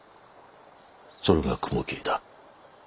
それが雲霧だ。